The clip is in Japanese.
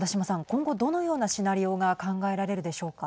今後どのようなシナリオが考えられるでしょうか。